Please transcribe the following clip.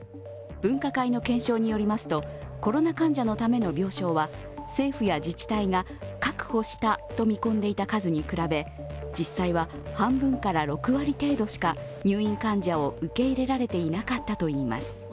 分科会の検証によりますと、コロナ患者のための病床は政府や自治体が確保したと見込んでいた数に比べ実際は半分から６割程度しか入院患者を受け入れられなかったとしています。